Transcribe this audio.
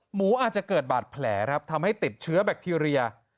อาจจะเกิดบาดแผลครับทำให้ติดเชื้อแบคทีเรีย